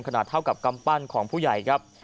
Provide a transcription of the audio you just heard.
ขนาดเท่ากับกำปั้นของผู้ใหญ่ครับ